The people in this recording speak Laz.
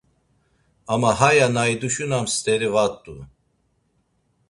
Ama haya na iduşunams steri va t̆u.